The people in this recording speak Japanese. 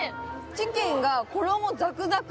チキンが衣ザクザク